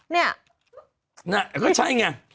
คือใช่ไหม